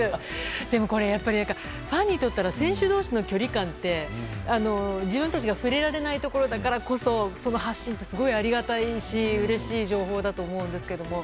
でもやっぱりファンにとっては選手同士の距離感って自分たちが触れられないところだからこそその発信ってすごくありがたいしうれしい情報だと思うんですけど。